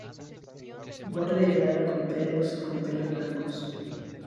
Borde el ala con pelos con pelos blancos.